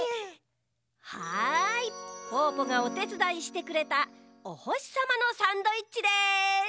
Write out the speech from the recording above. はいぽぅぽがおてつだいしてくれたおほしさまのサンドイッチです！